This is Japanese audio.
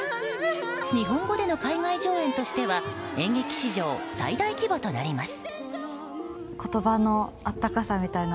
日本語での海外上演としては演劇史上最大規模となります。